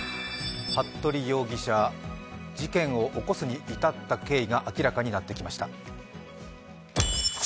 服部容疑者、事件を起こすに至った経緯が明らかになってきました。